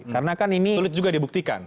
sulit juga dibuktikan